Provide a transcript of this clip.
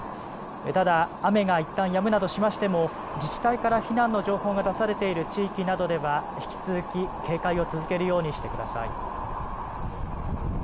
ただ、雨がいったんやむなどしましても自治体から避難の情報が出されている地域などでは引き続き、警戒を続けるようにしてください。